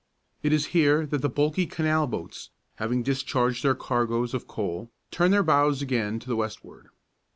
It is here that the bulky canal boats, having discharged their cargoes of coal, turn their bows again to the westward.